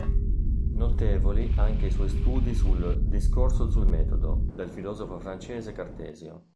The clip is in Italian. Notevoli anche i suoi studi sul "Discorso sul metodo" del filosofo francese Cartesio.